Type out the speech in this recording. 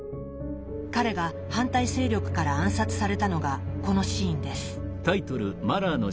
彼が反対勢力から暗殺されたのがこのシーンです。